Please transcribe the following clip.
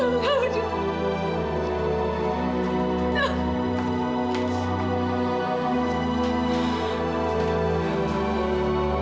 aku tak mau